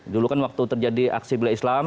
dulu kan waktu terjadi aksi bela islam